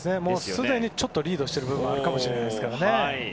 すでに、ちょっとリードしている部分もあるかもしれませんから。